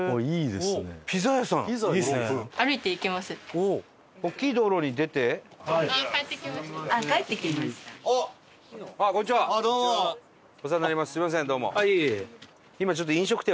すみませんどうも。